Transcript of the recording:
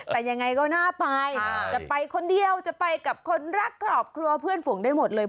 แต่ยังไงก็น่าไปจะไปคนเดียวจะไปกับคนรักครอบครัวเพื่อนฝูงได้หมดเลย